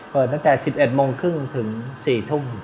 เปิดตั้งแต่๑๑โมงครึ่งถึง๔ทุ่ม